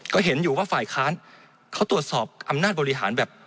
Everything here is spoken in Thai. ก็เห็นอยู่ว่าฝ่ายค้านเขาตรวจสอบอำนาจบริหารแบบ